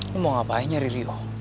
kamu mau ngapain nyari rio